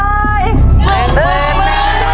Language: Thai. แม่นแม่นแม่น